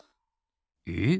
えっ？